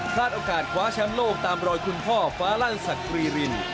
โอกาสคว้าแชมป์โลกตามรอยคุณพ่อฟ้าลั่นศักรีริน